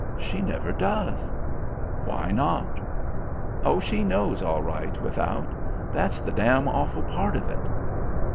"She never does." "Why not?" "Oh, she knows all right, without; that's the dam awful part of it."